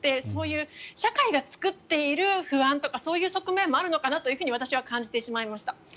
そういう社会が作っている不安とかそういう側面もあるのかなと私は感じてしまいました。